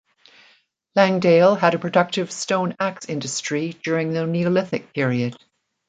Langdale had a productive stone axe industry during the Neolithic period.